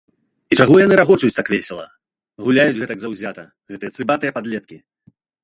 І чаго яны рагочуць так весела, гуляюць гэтак заўзята, гэтыя цыбатыя падлеткі?